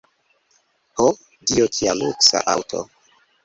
Ho, Dio, kia luksa aŭto!